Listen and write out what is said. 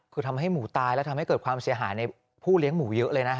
คือทำให้หมูตายและทำให้เกิดความเสียหายในผู้เลี้ยงหมูเยอะเลยนะฮะ